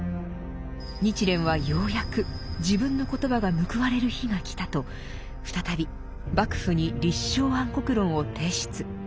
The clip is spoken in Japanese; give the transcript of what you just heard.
日蓮はようやく自分の言葉が報われる日が来たと再び幕府に「立正安国論」を提出。